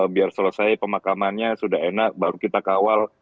biar selesai pemakamannya sudah enak baru kita kawal